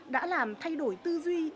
đã làm thay đổi tư duy